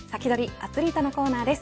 アツリートのコーナーです。